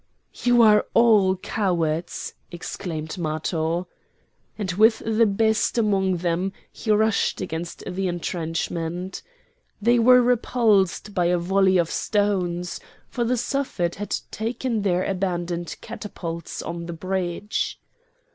"You are all cowards!" exclaimed Matho. And with the best among them he rushed against the entrenchment. They were repulsed by a volley of stones; for the Suffet had taken their abandoned catapults on the bridge.